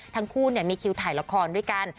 ทั้งคู่มีคิวถ่ายละครด้วยกัน